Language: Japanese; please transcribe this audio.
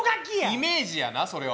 イメージやなそれは。